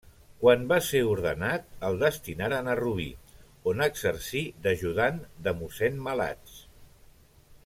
Quan va ser ordenat, el destinaren a Rubí, on exercí d'ajudant de mossèn Malats.